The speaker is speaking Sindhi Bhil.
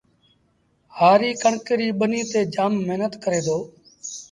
هآريٚ ڪڻڪ ريٚ ٻنيٚ تي جآم مهنت ڪري دو